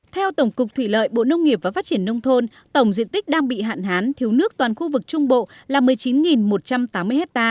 theo tổng cục thủy lợi bộ nông nghiệp và phát triển nông thôn tổng diện tích đang bị hạn hán thiếu nước toàn khu vực trung bộ là một mươi chín một trăm tám mươi ha